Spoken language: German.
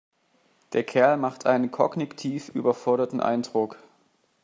Der Kerl macht einen kognitiv überforderten Eindruck.